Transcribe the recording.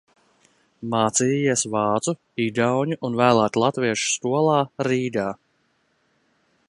Mācījies vācu, igauņu un vēlāk latviešu skolā Rīgā.